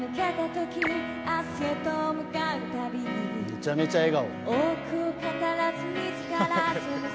めちゃくちゃ笑顔。